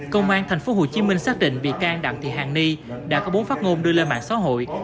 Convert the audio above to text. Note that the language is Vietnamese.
công an tp hcm xác định bị can đặng thị hàng ni đã có bốn phát ngôn đưa lên mạng xã hội